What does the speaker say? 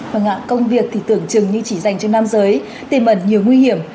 vâng ạ công việc thì tưởng chừng như chỉ dành cho nam giới tìm ẩn nhiều nguy hiểm